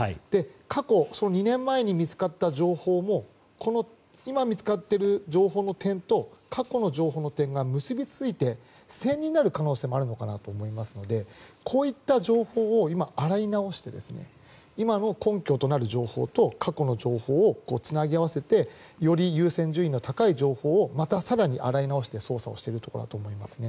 過去２年前に見つかった情報も今見つかっている情報の点と過去の情報の点が結びついて線になる可能性もあるのかと思いますのでこういった情報を今、洗いなおして今の根拠となる情報と過去の情報をつなぎ合わせてより優先順位の高い情報をまた更に洗い直して捜査をしているところだと思います。